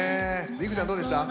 生ちゃんどうでした？